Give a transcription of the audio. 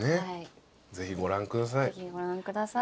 ぜひご覧ください。